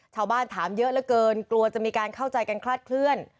ถามเยอะเหลือเกินกลัวจะมีการเข้าใจกันคลาดเคลื่อน